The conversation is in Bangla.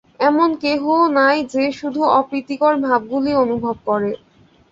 এমন কেহও নাই, যে শুধু অপ্রীতিকর ভাবগুলিই অনুভব করে।